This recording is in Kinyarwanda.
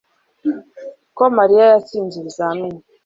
ko Mariya yatsinze ibizamini